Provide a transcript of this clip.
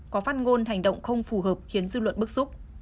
có phát ngôn hành động không phù hợp khiến dư luận bức xúc